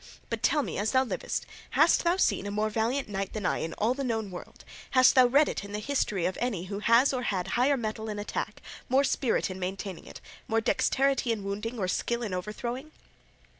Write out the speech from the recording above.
But tell me, as thou livest, hast thou seen a more valiant knight than I in all the known world; hast thou read in history of any who has or had higher mettle in attack, more spirit in maintaining it, more dexterity in wounding or skill in overthrowing?"